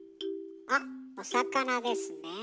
あっお魚ですね。